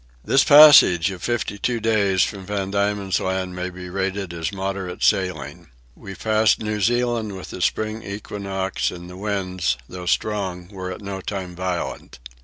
This passage of fifty two days from Van Diemen's Land may be rated as moderate sailing. We passed New Zealand with the spring equinox and the winds, though strong, were at no time violent.